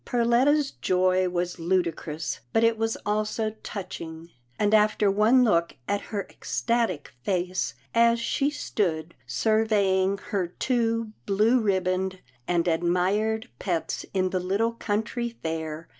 Perletta's joy was ludicrous, but it was also touching, and after one look at her ecstatic face, as she stood surveying her two blue ribboned and admired pets in the little country fair.